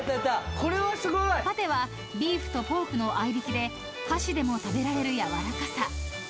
［パテはビーフとポークの合いびきで箸でも食べられるやわらかさ］